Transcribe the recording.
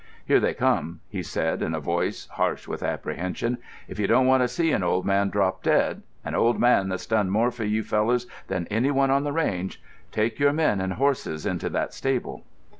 "Here they come," he said in a voice harsh with apprehension. "If you don't want to see an old man drop dead—an old man that's done more for you fellers than any one on the range—take your men and horses into that stable."